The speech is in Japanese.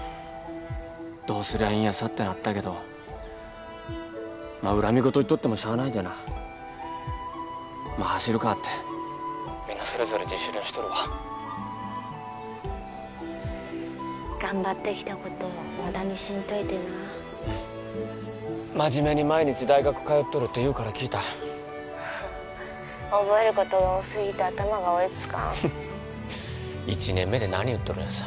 どうすりゃいいんやさってなったけど恨み言言っとってもしゃあないでなまあ走るかって☎みんなそれぞれ自主練しとるわ頑張ってきたこと無駄にしんといてなうん真面目に毎日大学通っとるって優から聞いた☎覚えることが多すぎて頭が追いつかん１年目で何言っとるんやさ